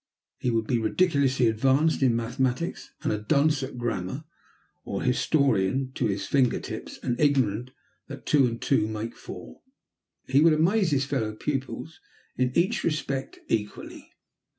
He would be ridiculously advanced in mathematics and a dunce at grammar, or historian to his finger tips and ignorant that two and two make four. He would amaze his fellow pupils in each respect equally.